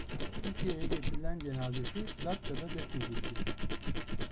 Türkiye'ye getirilen cenazesi Datça'da defnedildi.